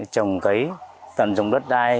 trồng cấy tận dụng đất đai